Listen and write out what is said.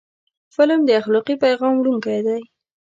فلم د اخلاقي پیغام وړونکی دی